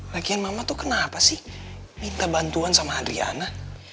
latihan mama tuh kenapa sih minta bantuan sama adriana